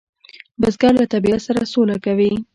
بزګر له طبیعت سره سوله کوي